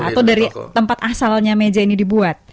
atau dari tempat asalnya meja ini dibuat